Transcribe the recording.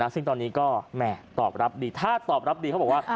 ซึ่งตอนนี้ก็แห่ตอบรับดีถ้าตอบรับดีเขาบอกว่า